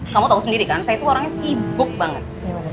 kamu tahu sendiri kan saya tuh orangnya sibuk banget